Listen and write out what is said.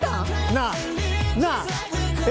なあ？なあ？え？